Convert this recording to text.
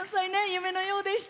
夢のようでした。